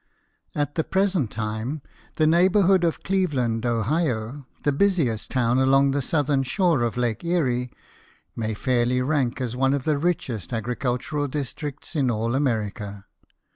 T the present time, the neighbourhood of Cleveland, Ohio, the busiest town along the southern shore of Lake Erie, may fairly rank as one of the richest agricultural districts in all America.